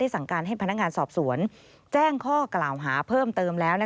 สั่งการให้พนักงานสอบสวนแจ้งข้อกล่าวหาเพิ่มเติมแล้ว